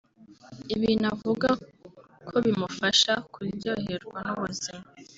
ibintu avuga ko bimufasha kuryoherwa n’ubuzima